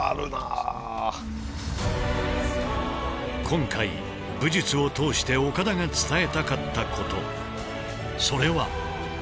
今回武術を通して岡田が伝えたかったことそれは。